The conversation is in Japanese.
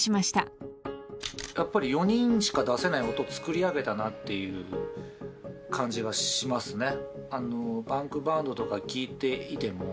やっぱり４人しか出せない音作りあげたなという感じがしますね。